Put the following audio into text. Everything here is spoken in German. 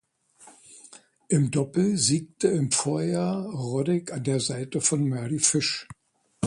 Im Doppel siegte im Vorjahr Roddick an der Seite von Mardy Fish.